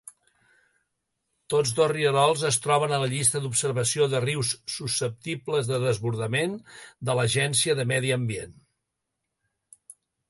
Tots dos rierols es troben a la llista d'observació de rius susceptibles de desbordament de l'Agència de Medi Ambient.